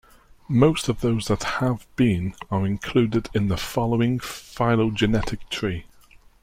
Most of those that have been are included in the following phylogenetic tree.